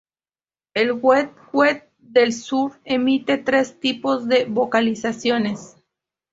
El hued-hued del sur emite tres tipos de vocalizaciones.